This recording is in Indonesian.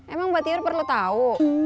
emang mbak tir perlu tau